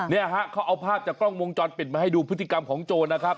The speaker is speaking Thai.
เนี่ยฮะเขาเอาภาพจากกล้องวงจรปิดมาให้ดูพฤติกรรมของโจรนะครับ